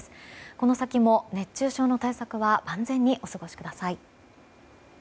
この先も熱中症の対策は万全にお過ごしください。